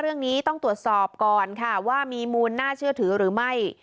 เรื่องนี้ต้องตรวจสอบก่อนค่ะว่ามีมูลน่าเชื่อถือหรือไม่